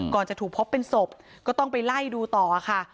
จะถูกพบเป็นศพก็ต้องไปไล่ดูต่อค่ะ